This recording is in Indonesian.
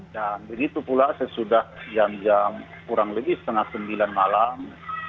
dan begitu pula sesudah jam jam kurang lebih setengah sembilan malam